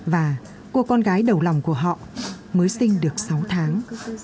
và cô con gái đầu lòng của họ mới sinh được sáu tháng